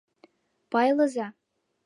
Пайлыза!